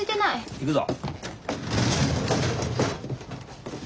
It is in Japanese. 行くぞ。